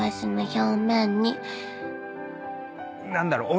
何だろう？